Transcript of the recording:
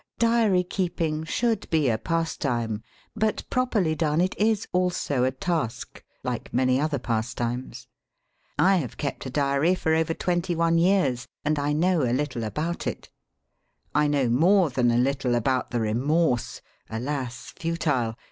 Diary keeping should be a pas time, but properly done it is also a task — ^like many other pastimes. I have kept a diary for over twenty one years, and I know a httle about it. I know more than a little about the remorse — alas, futile